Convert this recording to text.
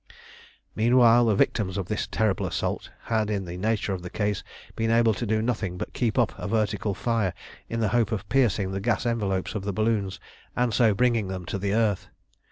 Meanwhile the victims of this terrible assault had, in the nature of the case, been able to do nothing but keep up a vertical fire, in the hope of piercing the gas envelopes of the balloons, and so bringing them to the earth.